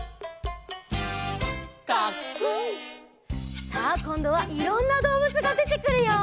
「カックン」さあこんどはいろんなどうぶつがでてくるよ。